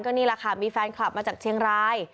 นี่แหละค่ะมีแฟนคลับมาจากเชียงราย